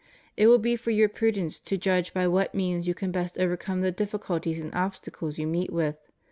It will be for your prudence to judge by what means you can best overcome the difficulties and obstacles you meet with.